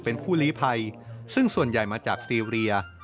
เป็นผู้ลีภัยซึ่งส่วนใหญ่มาจากซีเรีย